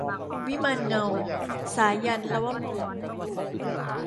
วิมานเงา - สายัณห์ ลวพงศ์